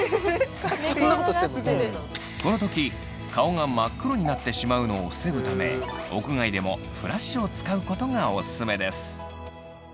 この時顔が真っ黒になってしまうのを防ぐため屋外でもフラッシュを使うことがオススメです。